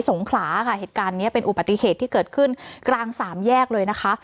งขลาค่ะเหตุการณ์เนี้ยเป็นอุบัติเหตุที่เกิดขึ้นกลางสามแยกเลยนะคะ